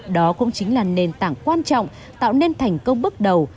đó cũng chính là nền tảng quan trọng tạo nên thành công bước đầu